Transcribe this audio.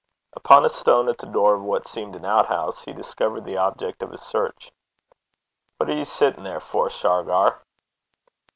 Upon a stone at the door of what seemed an outhouse he discovered the object of his search. 'What are ye sittin' there for, Shargar?'